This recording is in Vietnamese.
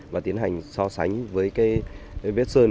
và tiến hành so sánh với cái vết sơn